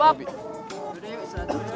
aduh yaudah ya